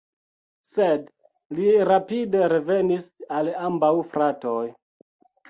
Sed li rapide revenis al ambaŭ fratoj.